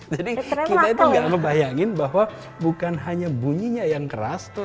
jadi kita itu ga apa bayangin bahwa bukan hanya bunyinya yang keras